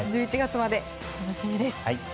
１１月まで楽しみです。